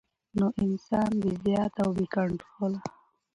نو انسان د زيات او بې کنټروله